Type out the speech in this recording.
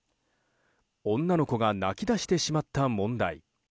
女の子が泣き出してしまった問題。